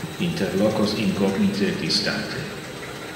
inter locos incognite e distante.